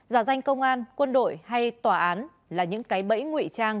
giả danh công an quân đội hay tòa án là những cái bẫy nguy trang